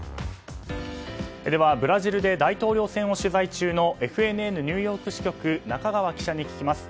ブラジルで大統領選を取材中のＦＮＮニューヨーク支局中川記者に聞きます。